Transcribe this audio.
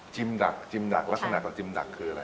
ดักจิมดักลักษณะกับจิมดักคืออะไร